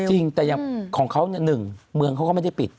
จริงแต่อย่างของเขาหนึ่งเมืองเขาก็ไม่ได้ปิด